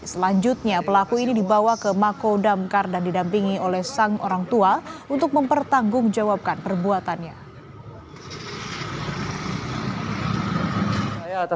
selanjutnya pelaku ini dibawa ke mako damkar dan didampingi oleh sang orang tua untuk mempertanggungjawabkan perbuatannya